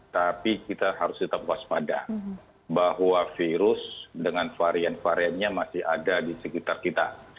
tapi kita harus tetap waspada bahwa virus dengan varian variannya masih ada di sekitar kita